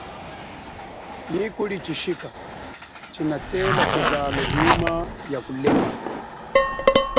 Nyi kuli chishika chinatela kuzala yuma ya kulema.